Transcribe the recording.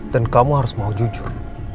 dan kamu harus mau jujur